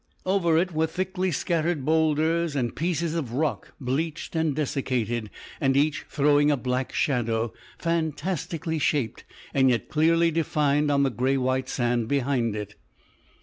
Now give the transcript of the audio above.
Over it were thickly scattered boulders and pieces of rock bleached and desiccated, and each throwing a black shadow, fantastically shaped and yet clearly defined on the grey white sand behind it.